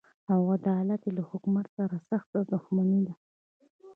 او علت یې له حکومت سره سخته دښمني ده.